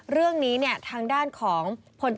เรื่องนี้ทางด้านคง